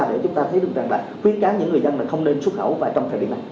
để chúng ta thấy được rằng là khuyên cáo những người dân là không nên xuất khẩu vào trong thời điểm này